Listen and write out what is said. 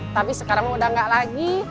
tapi sekarang udah nggak lagi